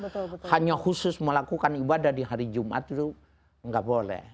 makanya khusus melakukan ibadah di hari jum'at itu gak boleh